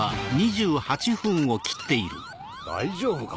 大丈夫か？